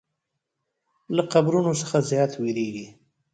له قبرونو څخه زیات ویریږي.